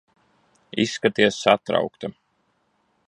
Izskaties satraukta.